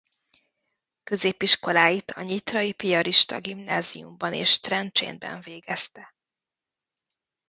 Középiskoláit a Nyitrai Piarista Gimnáziumban és Trencsénben végezte.